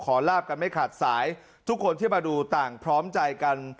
ลาบกันไม่ขาดสายทุกคนที่มาดูต่างพร้อมใจกัน